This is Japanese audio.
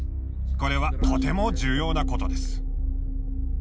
これはとても重要なことです。